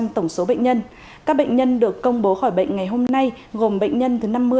tổng số bệnh nhân các bệnh nhân được công bố khỏi bệnh ngày hôm nay gồm bệnh nhân thứ năm mươi